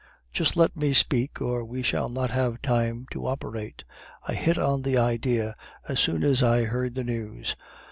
"'Just let me speak, or we shall not have time to operate. I hit on the idea as soon as I heard the news.